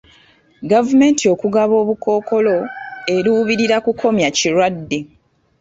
Gavumenti okugaba obukkookolo eruubirira kukomya kirwadde.